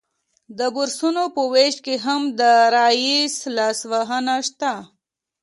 د بورسونو په ویش کې هم د رییس لاسوهنه شته